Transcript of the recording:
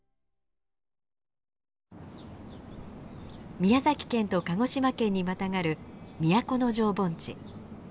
宮崎県と鹿児島県にまたがる都城盆地。